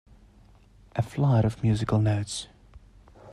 A flight of musical notes.